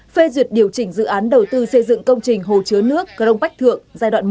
phê duyệt điều chỉnh dự án đầu tư xây dựng công trình hồ chứa nước crong bách thượng giai đoạn một